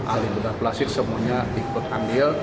ahli bedah plastik semuanya ikut andil